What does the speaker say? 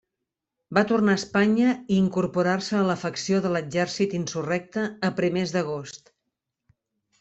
Va tornar a Espanya i incorporar-se a la facció de l'exèrcit insurrecte a primers d'agost.